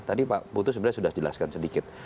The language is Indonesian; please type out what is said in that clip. tadi pak putu sebenarnya sudah jelaskan sedikit